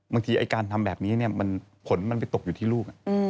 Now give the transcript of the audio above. ไอ้การทำแบบนี้ผลมันไปตกอยู่ที่ลูก